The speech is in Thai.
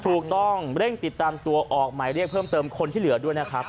ถูกต้องเร่งติดตามตัวออกหมายเรียกเพิ่มเติมคนที่เหลือด้วยนะครับ